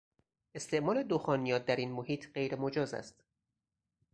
استعمال دخانیات در این محیط غیر مجاز است